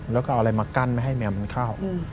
แล้วก็เอาอะไรมากั้นไม่ให้แมวมันเข้า